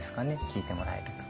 聞いてもらえると。